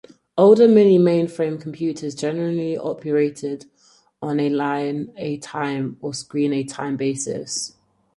Older mini and mainframe computers generally operated on a line-at-a-time or screen-at-a-time basis.